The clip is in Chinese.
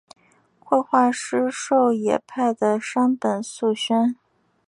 绘画师事狩野派的山本素轩。